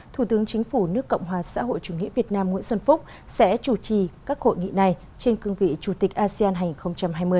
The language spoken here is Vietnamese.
thủ tướng chính phủ nước cộng hòa xã hội chủ nghĩa việt nam nguyễn xuân phúc sẽ chủ trì các hội nghị này trên cương vị chủ tịch asean hai nghìn hai mươi